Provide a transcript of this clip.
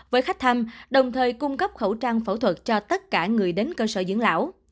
với khách thăm đồng thời cung cấp khẩu trang phẫu thuật cho tất cả người đến cơ sở dưỡng lão